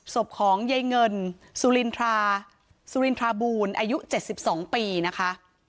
ศพของยายเงินสุรินทราสุรินทราบูลอายุ๗๒ปีนะคะ